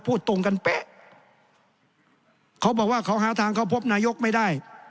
พูดตรงกันเป๊ะเขาบอกว่าเขาหาทางเข้าพบนายกไม่ได้